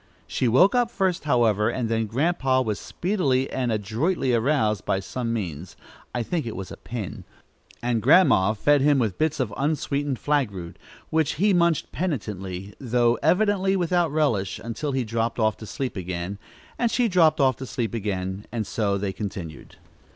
She woke up first, however, and then Grandpa was speedily and adroitly aroused by some means, I think it was a pin; and Grandma fed him with bits of unsweetened flag root, which he munched penitently, though evidently without relish, until he dropped off to sleep again, and she dropped off to sleep again, and so they continued.